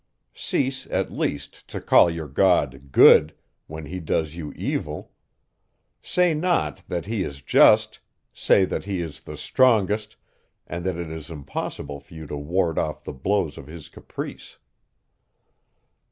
Cease, at least, to call your God good, when he does you evil; say not, that he is just, say that he is the strongest, and that it is impossible for you to ward off the blows of his caprice.